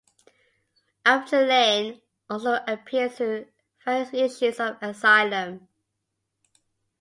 Avengelyne also appears through various issues of "Asylum".